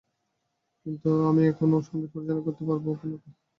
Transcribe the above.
কিন্তু আমি এখনো সংগীত পরিচালনা করতে পারবো, এবং গানের রচনা করতে পারবো।